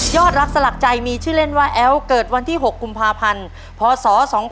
อดรักสลักใจมีชื่อเล่นว่าแอ้วเกิดวันที่๖กุมภาพันธ์พศ๒๕๖